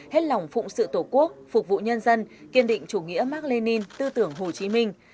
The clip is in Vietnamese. hết lòng phụng sự tổ quốc phục vụ nhân dân kiên định chủ nghĩa mark lenin tư tưởng hồ chí minh